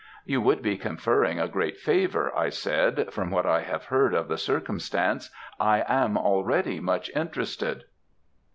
"You would be conferring a great favour," I said; "from what I have heard of the circumstance, I am already much interested."